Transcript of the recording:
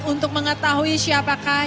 untuk mengetahui siapakah